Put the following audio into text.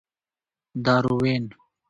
داروېن.